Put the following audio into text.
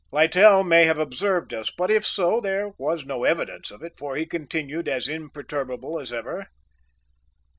Littell may have observed us, but if so, there was no evidence of it, for he continued as imperturbable as ever.